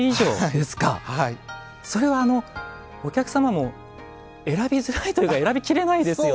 それはお客様も選びづらいというか選びきれないですよね。